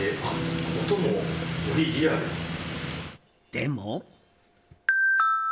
でも。